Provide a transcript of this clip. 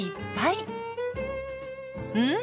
うん！